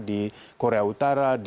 di korea utara